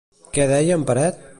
Què deia en Peret?